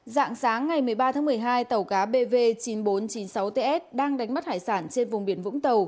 dạng sáng ngày một mươi ba tháng một mươi hai tàu cá bv chín nghìn bốn trăm chín mươi sáu ts đang đánh bắt hải sản trên vùng biển vũng tàu